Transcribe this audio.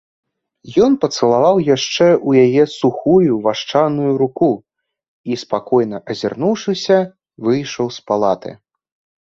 Ён пацалаваў яшчэ ў яе сухую вашчаную руку і, спакойна азірнуўшыся, выйшаў з палаты.